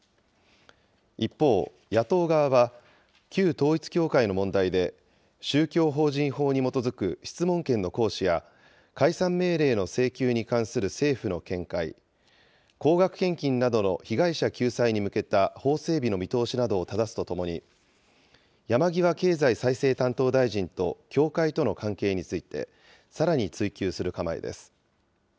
一方、野党側は旧統一教会の問題で、宗教法人法に基づく質問権の行使や、解散命令の請求に関する政府の見解、高額献金などの被害者救済に向けた法整備の見通しなどをただすとともに、山際経済再生担当大臣と教会との関係について、さらに追及する構えです。